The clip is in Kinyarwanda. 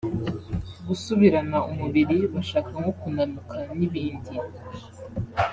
gusubirana umubiri bashaka nko kunanuka n’ibindi